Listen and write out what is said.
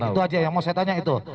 itu aja yang mau saya tanya itu